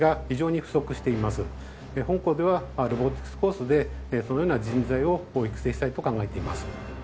本校ではロボティクスコースでそのような人材を育成したいと考えています。